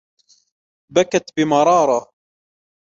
بكت بمرارة.